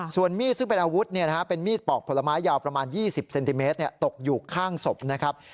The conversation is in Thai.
ส่วนมีดซึ่งเป็นอาวุธเป็นมีดปอกผลไม้ยาวประมาณ๒๐เซนติเมตรตกอยู่ข้างศพนะครับ